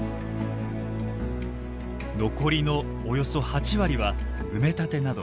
残りのおよそ８割は埋め立てなど。